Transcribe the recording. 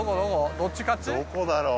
どこだろう？